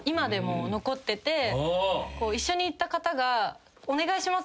一緒に行った方が「お願いします」